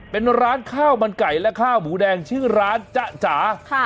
เป็นร้านข้าวมันไก่และข้าวหมูแดงชื่อร้านจ๊ะจ๋า